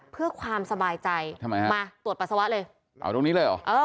เพื่อความสบายใจทำไมฮะมาตรวจปัสสาวะเลยเอาตรงนี้เลยเหรอเออ